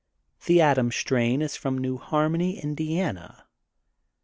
The Adams strain is from New Harmony, Indiana.